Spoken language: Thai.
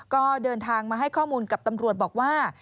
ก็เดินทางมาให้ข้อมูลกับตำรวจบอกว่า